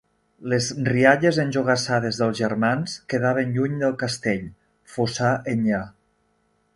Les rialles enjogassades dels germans quedaven lluny del castell, fossar enllà.